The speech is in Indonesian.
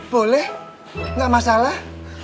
boleh gak masalah